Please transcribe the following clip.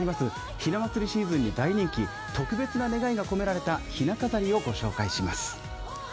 ひな祭りシーズンに大人気、特別な願いが込められたひな飾りをご紹介します。